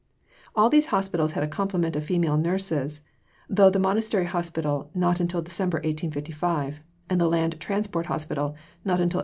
All these hospitals had a complement of female nurses, though the Monastery Hospital not until December 1855, and the Land Transport Hospitals not until 1856.